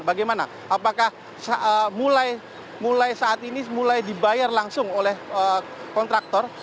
bagaimana apakah mulai saat ini mulai dibayar langsung oleh kontraktor